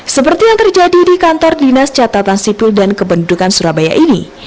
seperti yang terjadi di kantor dinas catatan sipil dan kebendukan surabaya ini